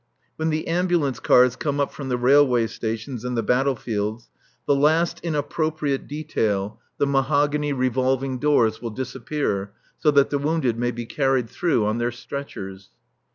When the ambulance cars come up from the railway stations and the battle fields, the last inappropriate detail, the mahogany revolving doors, will disappear, so that the wounded may be carried through on their stretchers.